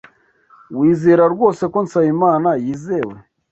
Wizera rwose ko Nsabimana yizewe?